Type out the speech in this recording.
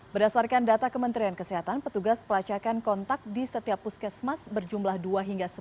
berdasarkan data kementerian kesehatan petugas pelacakan kontak di setiap puskesmas berjumlah dua hingga sepuluh